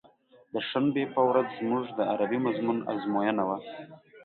د شنبې په ورځ زموږ د عربي مضمون ازموينه وه.